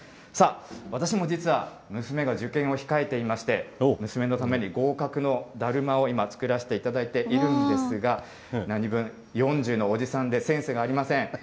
さあ、私も実は娘が受験を控えていまして、娘のために合格のだるまを今、作らせていただいているんですが、何分、４０のおじさんでセンスがありません。